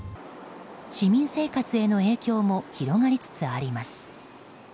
市民生活への影響も広がりつつあります。